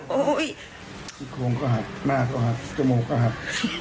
ซี่โครงก็หักหน้าก็หักจมูกก็หัก